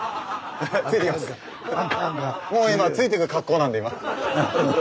もう今ついて行く格好なんで今。